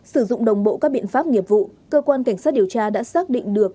sử dụng đồng bộ các biện pháp nghiệp vụ cơ quan cảnh sát điều tra đã xác định được